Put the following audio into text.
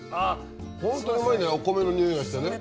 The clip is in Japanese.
ホントにうまいんだよお米の匂いがしてね。